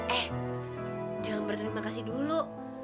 eh jangan berterima kasih dulu